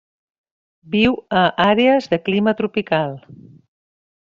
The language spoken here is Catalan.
Viu a àrees de clima tropical.